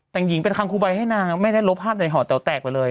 แต่งหญิงเป็นคังคูบัยให้นางไม่ได้ลบห้ามในหอเต๋วแตกไปเลย